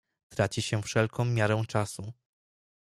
"Traci się wszelką miarę czasu."